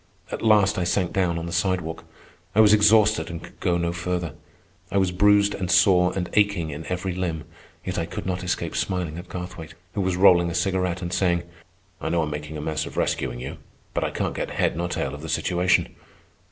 At last I sank down on the sidewalk. I was exhausted and could go no farther. I was bruised and sore and aching in every limb; yet I could not escape smiling at Garthwaite, who was rolling a cigarette and saying: "I know I'm making a mess of rescuing you, but I can't get head nor tail of the situation.